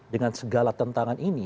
dengan segala tentangan ini